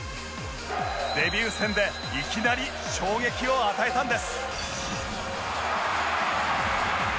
デビュー戦でいきなり衝撃を与えたんです